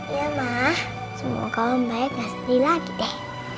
iya ma semoga om baik gak sedih lagi deh